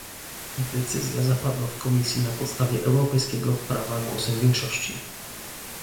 Decyzja zapadła w Komisji na podstawie europejskiego prawa głosem większości